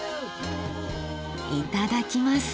いただきます。